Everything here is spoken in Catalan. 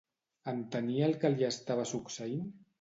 Entenia el que li estava succeint?